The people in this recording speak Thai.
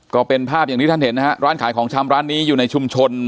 ก็เป็นภาพอย่างที่ท่านเห็นนะฮะร้านขายของชำร้านนี้อยู่ในชุมชน